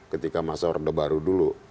ketika masa orde baru dulu